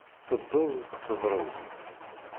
Teddez tebrez!